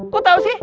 kok tahu sih